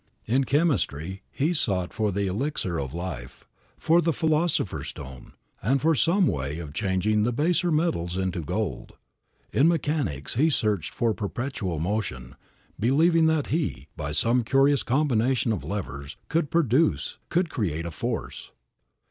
In chemistry he sought for the elixir of life, for the philosopher's stone, and for some way of changing the baser metals into gold. In mechanics he searched for perpetual motion, believing that he, by some curious combinations of levers, could produce, could create a force.